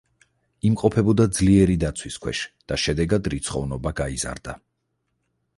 იმყოფებოდა ძლიერი დაცვის ქვეშ და შედეგად რიცხოვნობა გაიზარდა.